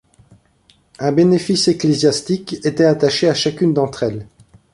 Un bénéfice ecclésiastique était attaché à chacune d'entre elles.